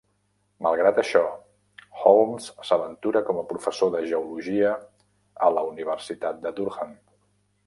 Malgrat això, Holmes s'aventura com a professor de geologia a la Universitat de Durham.